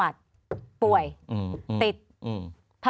หลายครั้งหลายครั้งหลายครั้ง